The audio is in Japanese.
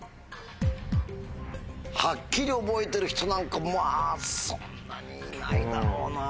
はっきり覚えてる人なんかまぁそんなにいないだろうな。